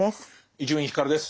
伊集院光です。